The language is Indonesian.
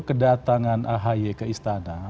kedatangan ahy ke istana